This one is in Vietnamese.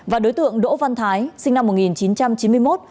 và đối tượng đỗ văn thái sinh năm một nghìn chín trăm chín mươi một